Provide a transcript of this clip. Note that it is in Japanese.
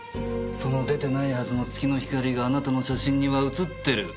その出てないはずの月の光があなたの写真には写っている。